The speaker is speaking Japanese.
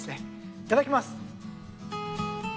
いただきます。